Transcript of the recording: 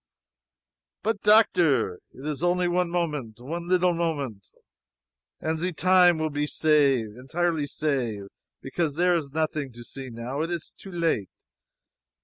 "But doctor! It is only one moment one leetle moment. And ze time will be save entirely save! Because zere is nothing to see now it is too late.